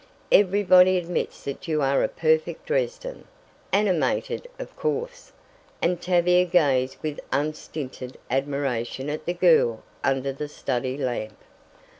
Everybody admits that you are a perfect Dresden, animated, of course," and Tavia gazed with unstinted admiration at the girl under the study lamp.